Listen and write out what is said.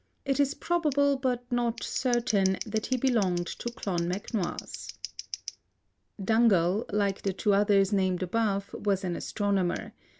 It is probable, but not certain, that he belonged to Clonmacnois. Dungal, like the two others named above, was an astronomer.